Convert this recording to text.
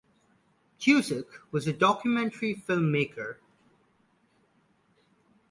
Cusack was a documentary filmmaker.